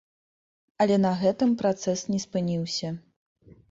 Але на гэтым працэс не спыніўся.